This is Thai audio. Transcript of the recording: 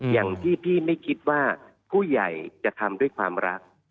อย่างที่พี่ไม่คิดว่าผู้ใหญ่จะทำด้วยความรัก